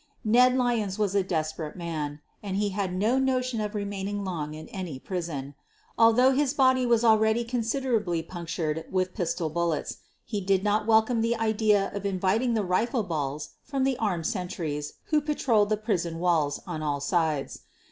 Ned Lyons was a desperate man, and he had no notion of remaining long in any prison. Although his body was already considerably punctured with pistol bullets, he did not welcome the idea of invit ing the rifle balls from the armed sentries who pa troled the prison walls on all sides.